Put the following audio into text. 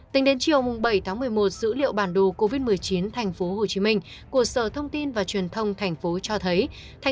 tính đến chiều bảy tháng một mươi một dữ liệu bản đồ covid một mươi chín tp hcm của sở thông tin và truyền thông tp hcm cho thấy